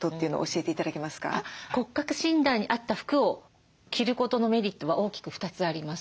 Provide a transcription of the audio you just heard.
骨格診断に合った服を着ることのメリットは大きく２つあります。